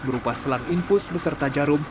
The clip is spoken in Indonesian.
berupa selang infus beserta jarum